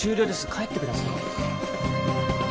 帰ってください。